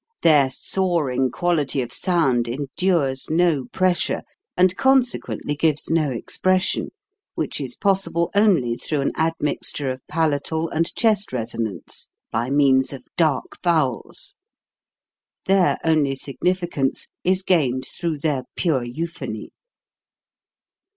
Their soaring quality of sound endures no pressure, and consequently gives no expression, which is possible only through an admixture of palatal and chest resonance by means of dark vowels. Their only significance is gained through their pure euphony.